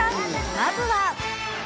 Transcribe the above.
まずは。